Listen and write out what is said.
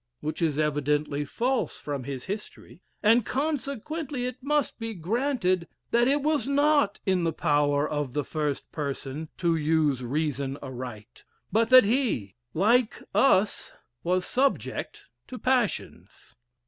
Which is evidently false from his history; and, consequently, it must be granted that it was not in the power of the first person to use reason aright, but that he, like us, was subject to passions."